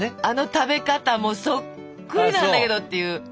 あの食べ方もそっくりなんだけどっていう。